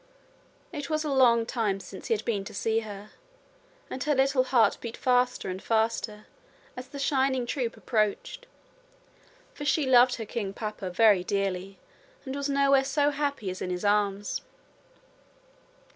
It was a long time since he had been to see her, and her little heart beat faster and faster as the shining troop approached, for she loved her king papa very dearly and was nowhere so happy as in his arms.